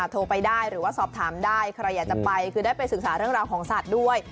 โทรไปได้หรือว่าสอบถามได้ใครอยากจะไปคือได้ไปศึกษาเรื่องราวของสัตว์ด้วย